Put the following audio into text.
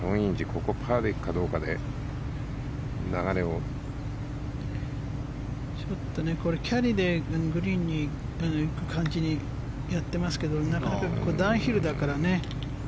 ここ、パーで行くかどうかでキャリーでグリーンに行く感じでやっていますけどなかなかダウンヒルだから。